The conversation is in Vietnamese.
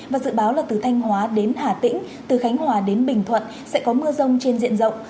và dự báo là từ thanh hóa đến hà tĩnh từ khánh hòa đến bình thuận sẽ có mưa rông trên diện rộng